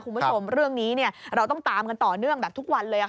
คุณผู้ชมเรื่องนี้เราต้องตามกันต่อเนื่องแบบทุกวันเลย